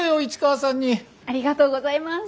ありがとうございます！